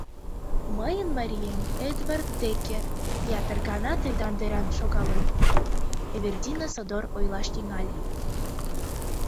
— Мыйын марием, Эдвард Деккер, ятыр гана тендан деран шогалын, — Эвердина содор ойлаш тӱҥале.